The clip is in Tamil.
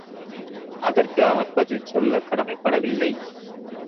அதற்கு அவன் பதில் சொல்லக் கடமைப்பட வில்லை.